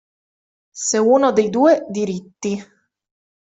Se uno dei due diritti.